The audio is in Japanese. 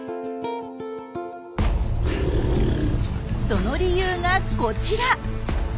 その理由がこちら。